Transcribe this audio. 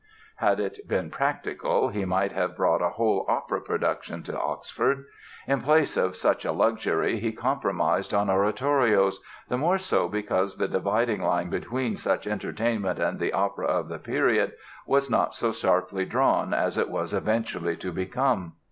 Had it been practical he might have brought a whole opera production to Oxford. In place of such a luxury he compromised on oratorios, the more so because the dividing line between such entertainment and the opera of the period was not so sharply drawn as it was eventually to become.